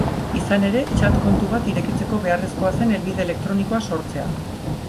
Izan ere, txat kontu bat irekitzeko beharrezkoa zen helbide elektronikoa sortzea.